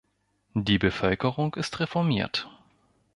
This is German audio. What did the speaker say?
Die Bevölkerung ist reformiert.